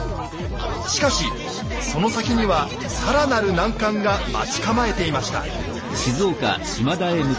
しかしその先には更なる難関が待ち構えていました。